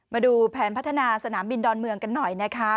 มาดูแผนพัฒนาสนามบินดอนเมืองกันหน่อยนะคะ